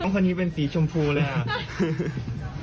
คนนี้เป็นสีชมพูเลยครับ